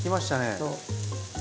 そう。